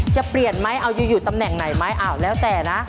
จะเปลี่ยนไหมเอาอยู่ตำแหน่งไหนไหมอ้าวแล้วแต่นะ